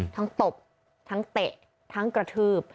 ตบทั้งเตะทั้งกระทืบ